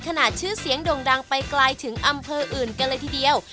ชื่อเสียงด่งดังไปไกลถึงอำเภออื่นกันเลยทีเดียว